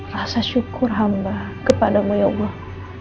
rasa syukur hamba kepadamu ya allah